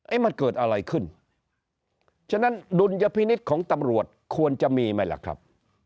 มันเกิดอะไรขึ้นฉะนั้นดุลยพินิษฐ์ของตำรวจควรจะมีไหมล่ะครับ